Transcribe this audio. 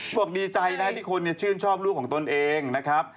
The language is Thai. บอกดีใจนะที่คนชื่นชอบลูกของตนเองนะครับ